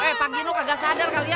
eh pak gino agak sadar kali ya